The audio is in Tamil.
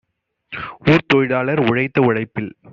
ஊர்த்தொழி லாளர் உழைத்த உழைப்பில்